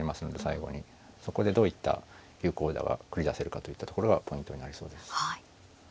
そこでどういった有効打が繰り出せるかといったところがポイントになりそうです。